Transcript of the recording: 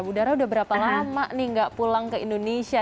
budara udah berapa lama nih gak pulang ke indonesia